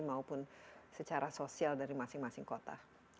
maupun secara sosial dari masing masing kota